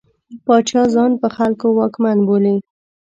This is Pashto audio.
پاچا ځان په خلکو واکمن بولي.